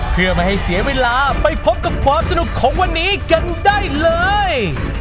เพื่อไม่ให้เสียเวลาไปพบกับความสนุกของวันนี้กันได้เลย